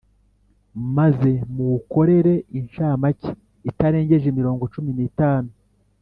maze muwukorere inshamake itarengeje imirongo cumi n’itanu.